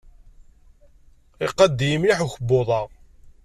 Iqadd-iyi mliḥ ukebbuḍ-a.